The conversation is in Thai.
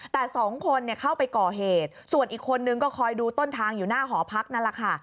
แต่สองคนเข้าไปก่อเหตุส่วนอีกคนนึงก็คอยดูต้นทางอยู่หน้าหอพักนั่นแหละค่ะ